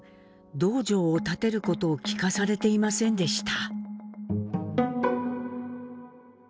洞場を建てることを聞かされていませんでした。